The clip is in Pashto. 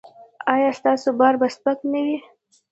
ایا ستاسو بار به سپک نه وي؟